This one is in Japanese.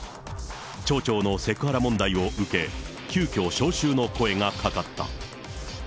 町長のセクハラ問題を受け、急きょ招集の声がかかった。